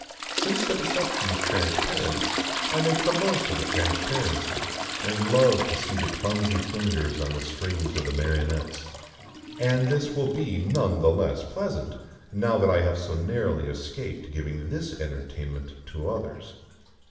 Since the deception is transparent I make the most of the transparency, and love to see the clumsy fingers on the strings of the marionettes. And this will be none the less pleasant now that I have so narrowly escaped giving this entertainment to others.